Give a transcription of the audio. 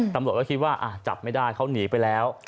ตำรวจก็คิดว่าจับไม่ได้เขาหนีไปแล้ว